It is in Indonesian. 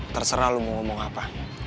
terserah lu mau ngomong apa